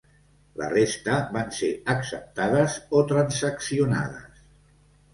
La resta van ser acceptades o transaccionades.